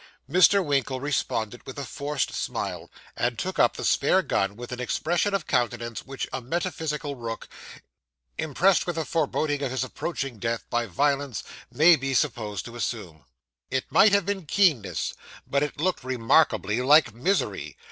Mr. Winkle responded with a forced smile, and took up the spare gun with an expression of countenance which a metaphysical rook, impressed with a foreboding of his approaching death by violence, may be supposed to assume. It might have been keenness, but it looked remarkably like misery.